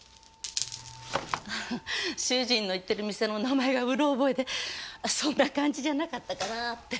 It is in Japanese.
主人の行ってる店の名前がうろ覚えでそんな感じじゃなかったかなーって。